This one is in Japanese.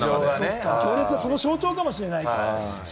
行列は、その象徴かもしれない。